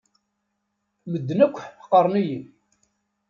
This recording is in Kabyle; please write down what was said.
Medden akk ḥeqren-iyi.